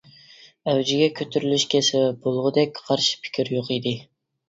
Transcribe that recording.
ئەۋجىگە كۆتۈرۈلۈشكە سەۋەب بولغۇدەك قارشى پىكىر يوق ئىدى.